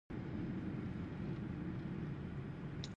واوره د افغان کورنیو د دودونو مهم عنصر دی.